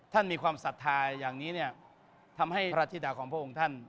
ท่านมีความศรัทธาอย่างนี้ทำให้รัฐธิดาของพระองค์ท่าน